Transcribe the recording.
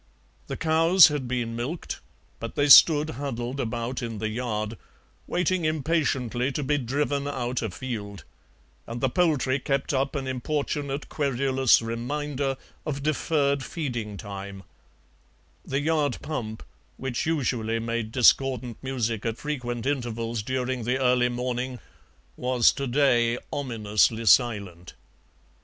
The cows had been milked, but they stood huddled about in the yard, waiting impatiently to be driven out afield, and the poultry kept up an importunate querulous reminder of deferred feeding time; the yard pump, which usually made discordant music at frequent intervals during the early morning, was to day ominously silent.